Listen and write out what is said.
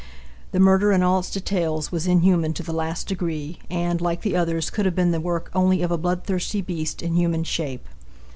The murder in all its details was inhuman to the last degree, and, like the others, could have been the work only of a bloodthirsty beast in human shape.